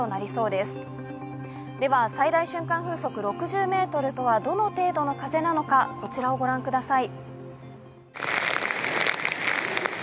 では、最大瞬間風速６０メートルとはどの程度の風なのか、こちらをご覧ください。